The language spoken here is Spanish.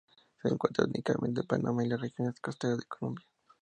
Se encuentra únicamente en Panamá y las regiones costeras de Colombia.